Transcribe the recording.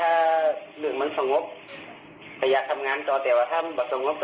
อาจจะช่วยใคร่ะกายและเอาล่างให้ผล